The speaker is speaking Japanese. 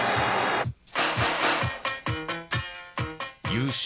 優勝